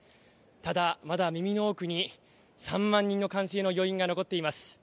ただ、まだ耳の奥に３万人の歓声の余韻が残っています。